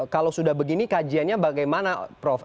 kalau sudah begini kajiannya bagaimana prof